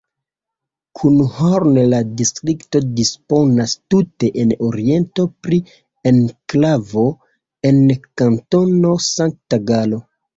Kun Horn la distrikto disponas tute en oriento pri enklavo en Kantono Sankt-Galo.